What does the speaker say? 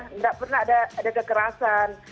tidak pernah ada kekerasan